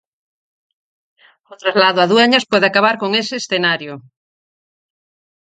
O traslado a Dueñas pode acabar con ese escenario.